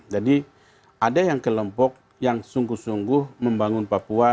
jadi ada yang kelompok yang sungguh sungguh membangun papua